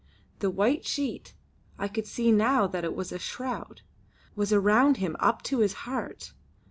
The white sheet I could see now that it was a shroud was around him up to his heart.